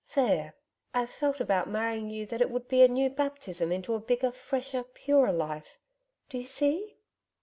There! I've felt about marrying you that it would be a new baptism into a bigger, fresher, purer life do you see?'